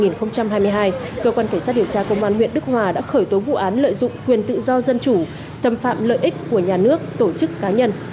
cơ quan cảnh sát điều tra công an huyện đức hòa đã khởi tố vụ án lợi dụng quyền tự do dân chủ xâm phạm lợi ích của nhà nước tổ chức cá nhân